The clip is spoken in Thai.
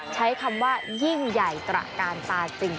ใช้คำว่ายิ่งใหญ่ศักดิ์การตาจริง